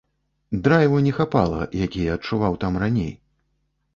Драйву не хапала, які я адчуваў там раней.